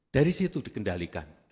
dari situ dikendalikan